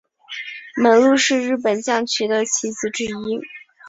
猛鹿是日本将棋的棋子之一。